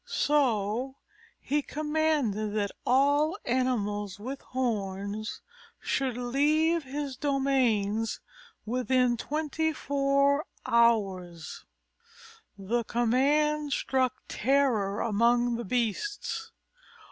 So he commanded that all animals with horns should leave his domains within twenty four hours. The command struck terror among the beasts.